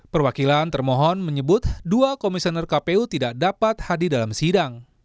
perwakilan termohon menyebut dua komisioner kpu tidak dapat hadir dalam sidang